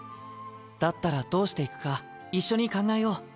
だったらどうしていくか一緒に考えよう。